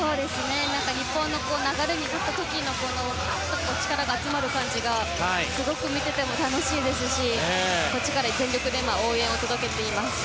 日本の流れに乗った時に力が集まる感じがすごく見ていて楽しいですしこっちからも全力で応援を届けています。